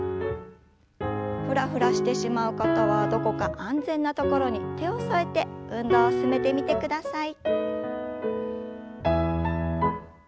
ふらふらしてしまう方はどこか安全な所に手を添えて運動を進めてみてください。